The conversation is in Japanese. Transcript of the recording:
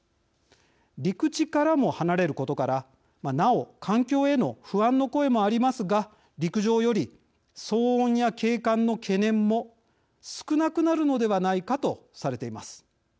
陸地からも離れることからなお、環境への不安の声もありますが陸上より、騒音や景観の懸念も少なくなるのではないかとされています。